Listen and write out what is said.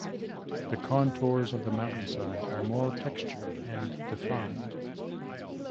The contours of the mountainside are more textured and defined.